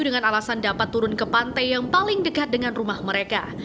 dengan alasan dapat turun ke pantai yang paling dekat dengan rumah mereka